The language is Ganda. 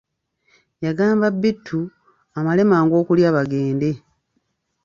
Yagamba Bittu amale mangu okulya bagende.